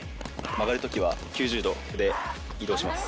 曲がる時は９０度で移動します。